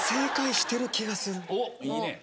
おっいいね。